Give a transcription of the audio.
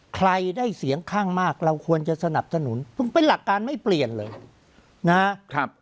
ใครได้เสียงข้างมากเราควรจะสนับสนุนเป็นหลักการไม่เปลี่ยนเลยนะครับ